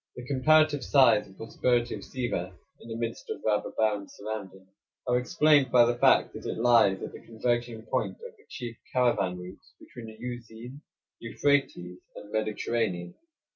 The comparative size and prosperity of Sivas, in the midst of rather barren surroundings, are explained by the fact that it lies at the converging point of the chief caravan routes between the Euxine, Euphrates, and Mediterranean.